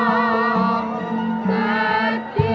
misdami ramun diri kosong teki